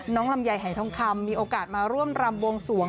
ลำไยหายทองคำมีโอกาสมาร่วมรำบวงสวง